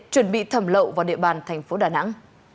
chuẩn bị thẩm lậu vào địa bàn thành phố đà nẵng